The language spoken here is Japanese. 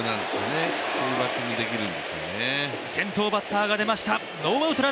このバッティングができるんですよね。